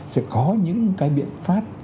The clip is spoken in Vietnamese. sẽ có những cái biện pháp